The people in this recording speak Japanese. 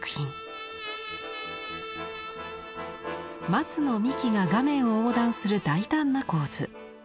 松の幹が画面を横断する大胆な構図。